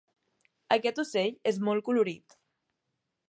Aquest ocell és molt colorit.